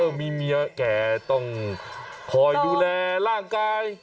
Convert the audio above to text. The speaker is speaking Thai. มีเมียแก่ต้องคอยดูแลร่างกาย